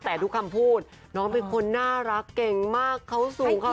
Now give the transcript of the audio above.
แต่ทุกคำพูดน้องเป็นคนน่ารักเก่งมากเขาสูงเขา